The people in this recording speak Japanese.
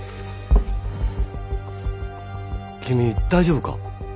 君大丈夫か？